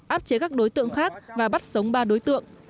áp chế các đối tượng khác và bắt sống ba đối tượng